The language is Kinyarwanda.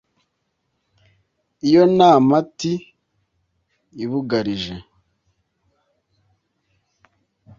Iyo ntamati ibugarije